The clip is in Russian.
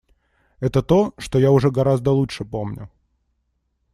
Это то, что я уже гораздо лучше помню.